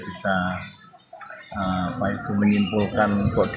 bisa apa itu mengimpulkan